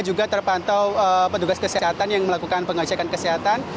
juga terpantau petugas kesehatan yang melakukan pengecekan kesehatan